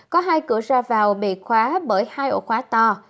có hai cửa ra vào bị khóa bởi hai ổ khóa to